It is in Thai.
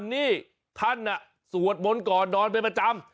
นี่ท่านสวดมนต์ก่อนนอนเป็นประจำ